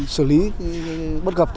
sử lý bất gập